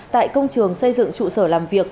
tại công trường xây dựng trụ sở làm việc